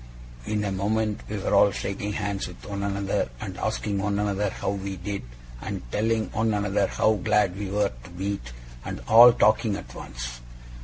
In a moment we were all shaking hands with one another, and asking one another how we did, and telling one another how glad we were to meet, and all talking at once.